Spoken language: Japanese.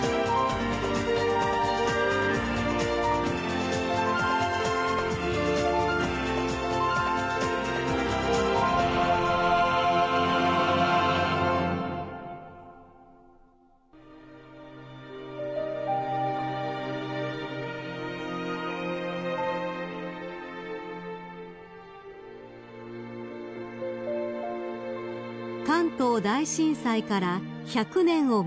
［関東大震災から１００年を迎えた９月１日］